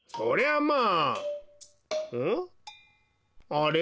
あれ？